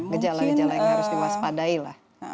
gejala gejala yang harus diwaspadai lah